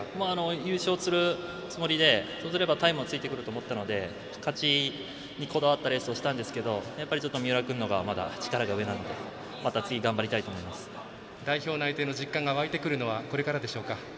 優勝するつもりでそうすればタイムがついてくると思ったので勝ちにこだわったレースをしたんですけど三浦君のほうがまだ力は上なので代表内定の実感が湧いてくるのはこれからでしょうか？